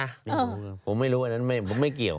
ไม่รู้ผมไม่รู้อันนั้นผมไม่เกี่ยว